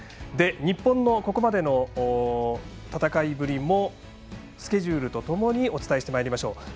日本のここまでの戦いぶりもスケジュールとともにお伝えしてまいりましょう。